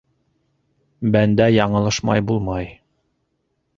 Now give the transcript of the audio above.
Бәндә яңылышмай булмай...